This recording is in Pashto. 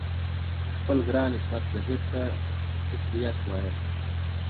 خپل ګران عصمت زهیر ته تسلیت وایم.